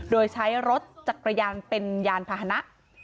โดยใช้รถจักรยานเป็นยานพาหนะ